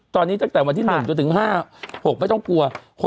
ตอนนี้ตั้งแต่วันที่๑จนถึง๕๖ไม่ต้องกลัว